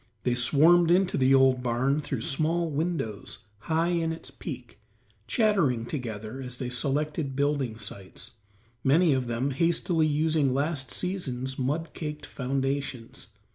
They swarmed into the old barn through small windows high in its peak, chattering together as they selected building sites, many of them hastily using last season's mud caked foundations.